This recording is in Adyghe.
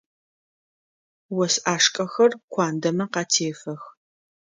Ос ӏашкӏэхэр куандэмэ къатефэх.